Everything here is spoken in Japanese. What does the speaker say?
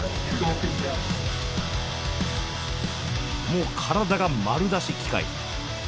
もう体が丸出し機械。